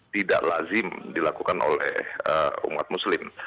tidak lazim dilakukan oleh umat muslim